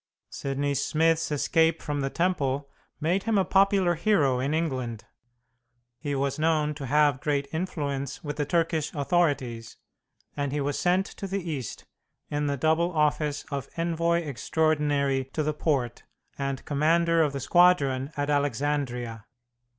Sidney Smith's escape from the Temple made him a popular hero in England. He was known to have great influence with the Turkish authorities, and he was sent to the East in the double office of envoy extraordinary to the Porte, and commander of the squadron at Alexandria.